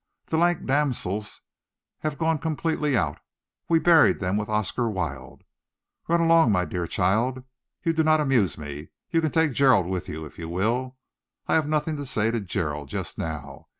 The lank damsels have gone completely out. We buried them with Oscar Wilde. Run along, my dear child. You do not amuse me. You can take Gerald with you, if you will. I have nothing to say to Gerald just now.